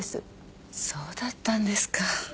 そうだったんですか。